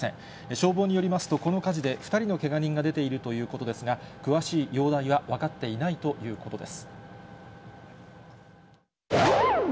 消防によりますと、この火事で２人のけが人が出ているということですが、詳しい容体は分かっていないということです。